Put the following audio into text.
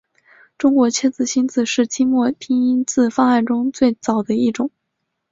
中国切音新字是清末拼音字方案中最早的一种。